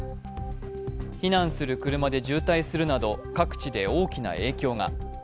避難する車で渋滞するなど各地で大きな影響が。